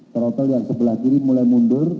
trotol yang sebelah kiri mulai mundur